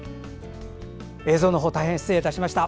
映像の方、大変失礼いたしました。